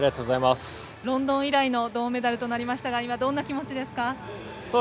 ロンドン以来の銅メダルとなりましたが今、どんな気持ちですか。